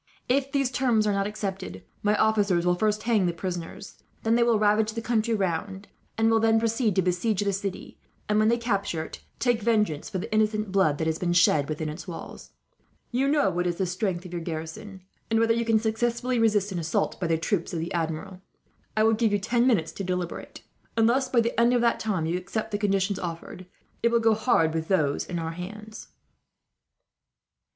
"If these terms are not accepted, my officers will first hang the prisoners, then they will ravage the country round; and will then proceed to besiege the city and, when they capture it, take vengeance for the innocent blood that has been shed within its walls. You best know what is the strength of your garrison, and whether you can successfully resist an assault by the troops of the Admiral. "I will give you ten minutes to deliberate. Unless by the end of that time you accept the conditions offered, it will go hard with those in our hands."